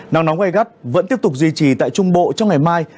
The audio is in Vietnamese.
nắng nóng gai gắt vẫn tiếp tục duy trì tại trung bộ trong ngày mai